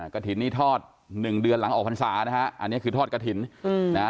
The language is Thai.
กฐินนี่ทอดหนึ่งเดือนหลังออกพรรษานะฮะอันนี้คือทอดกฐิน